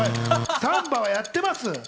サンバはやってます。